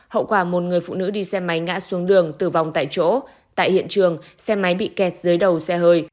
hậu quả một người phụ nữ đi xe máy ngã xuống đường tử vong tại chỗ tại hiện trường xe máy bị kẹt dưới đầu xe hơi